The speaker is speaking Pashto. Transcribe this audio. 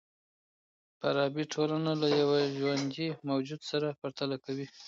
فارابي ټولنه له يوه ژوندي موجود سره پرتله کوي.